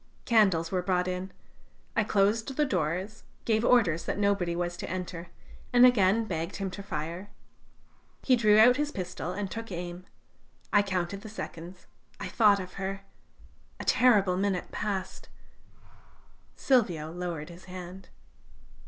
Candles were brought in. I closed the doors, gave orders that nobody was to enter, and again begged him to fire. He drew out his pistol and took aim. ... I counted the seconds. ... I thought of her. ... A terrible minute passed! Silvio lowered his hand.